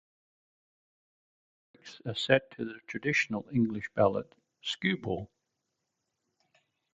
The lyrics are set to the traditional English ballad "Skewball".